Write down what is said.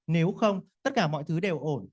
nếu không tất cả mọi thứ đều ổn